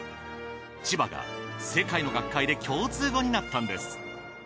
「チバ」が世界の学会で共通語になったんです。